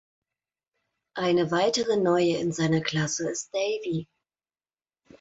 Eine weitere Neue in seiner Klasse ist Davy.